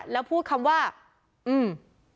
แล้วพูดคำว่าอืม